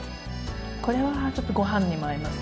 これはちょっとごはんにも合いますね。